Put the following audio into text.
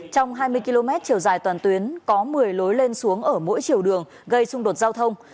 trong hai mươi km chiều dài toàn tuyến có một mươi lối lên xuống ở mỗi chiều đường gây xung đột giao thông